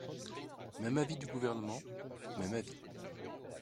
Même avis du Gouvernement ? Même avis.